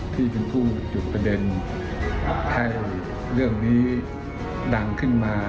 ที่เป็นผู้จุดประเด็นให้เรื่องนี้ดังขึ้นมา